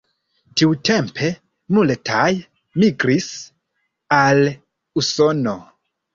Tiutempe multaj migris al Usono.